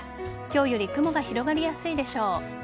今日より雲が広がりやすいでしょう。